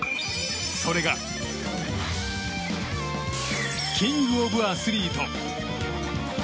それがキング・オブ・アスリート。